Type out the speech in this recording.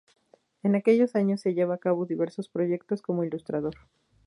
En aquellos años lleva a cabo diversos proyectos como ilustrador.